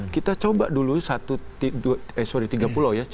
kita coba dulu satu eh sorry tiga pulau ya